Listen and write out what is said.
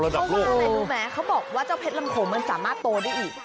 เขามองได้ดูไหมเขาบอกเจ้าเพชรลำโขมันสามารถโตได้อีก